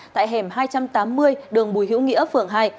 tại hẻm hai trăm tám mươi đường bùi hữu nghĩa phường hai